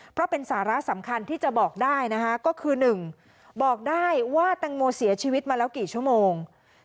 เพราะเป็นสาระสำคัญที่จะบอกได้นะคะก็คือ๑บอกได้ว่าแตงโมเสียชีวิตมาแล้วกี่ชั่วโมง